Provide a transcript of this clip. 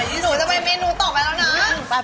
หนูจะไปเมนูต่อไปแล้วนะ